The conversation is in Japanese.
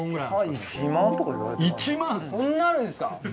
１万⁉そんなあるんですか？